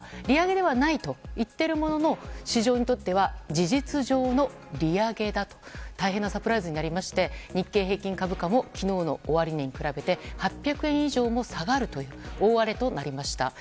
黒田総裁は利上げではないと言ってるものの市場にとっては事実上の利上げだと大変なサプライズになりまして日経平均株価も昨日の終値に比べて８００円以上も下がるという大荒れとなりました。